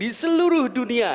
di seluruh dunia